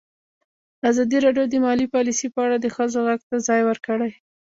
ازادي راډیو د مالي پالیسي په اړه د ښځو غږ ته ځای ورکړی.